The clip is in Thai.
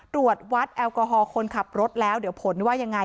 ตรวจวัดแอลกอฮอลคนขับรถแล้วเดี๋ยวผลว่ายังไง